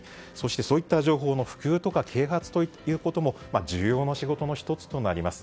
そういった情報の普及や啓発も重要な仕事の１つとなります。